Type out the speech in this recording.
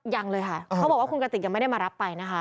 ยังเลยค่ะเขาบอกว่าคุณกติกยังไม่ได้มารับไปนะคะ